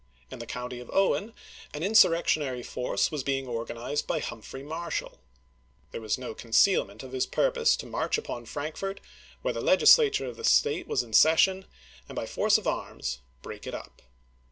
In the county of Owen an insur rectionary force was being organized by Humphrey isei. Marshall. There was no concealment of his pur pose to march upon Frankfort, where the Legisla ture of the State was in session, and by force of arms break it up.